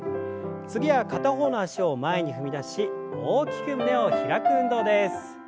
次は片方の脚を前に踏み出し大きく胸を開く運動です。